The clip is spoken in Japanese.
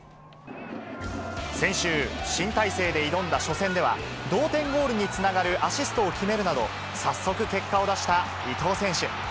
先週、新体制で挑んだ初戦では、同点ゴールにつながるアシストを決めるなど、早速結果を出した伊東選手。